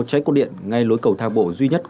cháy cổ điện ngay lối cầu thang bộ duy nhất